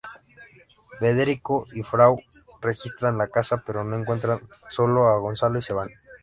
Federico y Frau registran la casa pero encuentran sólo a Gonzalo y se van.